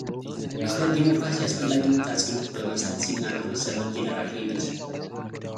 ስለ ዲሞክራሲ አስፈላጊነት አጽንኦት በመስጠት ሲናገሩ ይሰማል ጄኔራል ሄምቲ።